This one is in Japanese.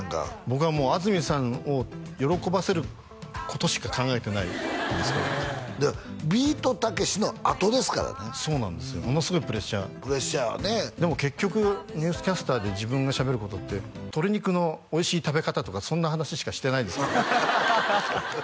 僕はもう安住さんを喜ばせることしか考えてないですからビートたけしのあとですからねそうなんですよものすごいプレッシャープレッシャーねでも結局「ニュースキャスター」で自分がしゃべることって鶏肉のおいしい食べ方とかそんな話しかしてないです